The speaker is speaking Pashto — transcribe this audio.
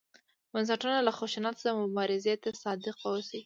بنسټونه له خشونت سره مبارزې ته صادق واوسي.